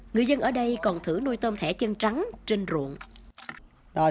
người dân ở đây còn thử nuôi tôm thẻ chân trắng trên ruộng